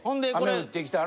雨降ってきたら。